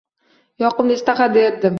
- «Yoqimli ishtaxa» derdim